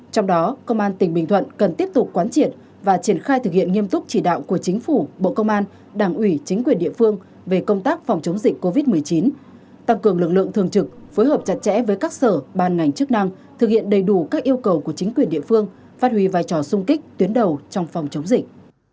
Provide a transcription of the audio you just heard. trong đó công an tỉnh bình thuận cần tiếp tục quán triệt và triển khai thực hiện nghiêm túc chỉ đạo của chính phủ bộ công an đảng ủy chính quyền địa phương về công tác phòng chống dịch covid một mươi chín tăng cường lực lượng thường trực phối hợp chặt chẽ với các sở ban ngành chức năng thực hiện đầy đủ các yêu cầu của chính quyền địa phương phát huy vai trò sung kích tuyến đầu trong phòng chống dịch